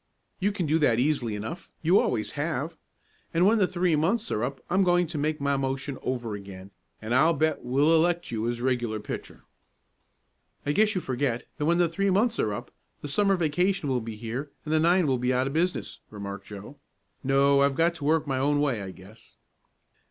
"You can do that easily enough. You always have. And when the three months are up I'm going to make my motion over again, and I'll bet we'll elect you as regular pitcher." "I guess you forget that when the three months are up the Summer vacation will be here and the nine will be out of business," remarked Joe. "No, I've got to work my own way, I guess."